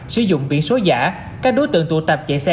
sử dụng biển số giả các đối tượng tụ tập chạy xe